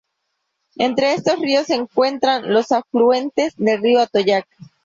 Entre estos ríos se encuentran los afluentes del río Atoyac.